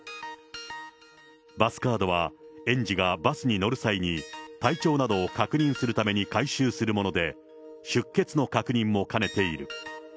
バスカードは園児がバスに乗る際に体調などを確認するために回収するもので、出欠の確認も兼ねている。